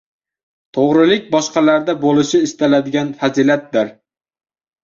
Toʻgʻrilik – boshqalarda boʻlishi istaladigan fazilatdir.